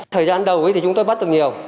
thời gian đầu thì chúng tôi bắt được nhiều